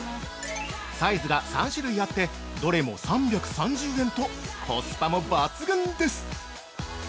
サイズが３種類あって、どれも３３０円とコスパも抜群です。